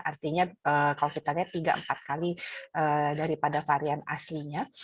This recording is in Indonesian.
artinya kalau kita lihat tiga empat kali daripada varian aslinya